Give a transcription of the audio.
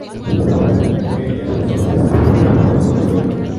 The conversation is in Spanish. Queríamos ofrecer algo de consuelo.